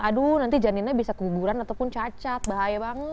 aduh nanti janinnya bisa keguguran ataupun cacat bahaya banget